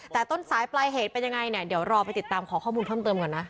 แต่ต้นสายปลายเหตุเป็นยังไงเนี่ยเดี๋ยวรอไปติดตามขอข้อมูลเพิ่มเติมก่อนนะ